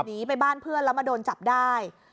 หนีไปบ้านเพื่อนแล้วมาโดนจับได้